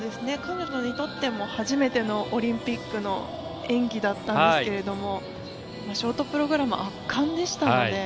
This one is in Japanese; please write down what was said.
彼女にとっても初めてのオリンピックの演技だったんですけれどショートプログラム圧巻でしたので。